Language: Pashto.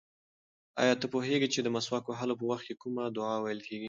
ایا ته پوهېږې چې د مسواک وهلو په وخت کې کومه دعا ویل کېږي؟